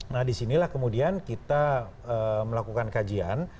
nah disinilah kemudian kita melakukan kajian